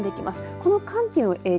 この寒気の影響